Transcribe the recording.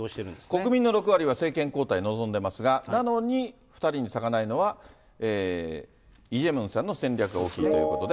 国民の６割は政権交代を望んでますが、なのに２人に差がないのは、イ・ジェミョンさんの戦略が大きいということで。